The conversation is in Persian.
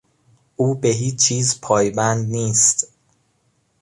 او به هیچ چیز پایبند نیست.